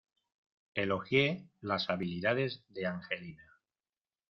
Elogié las habilidades de angelina.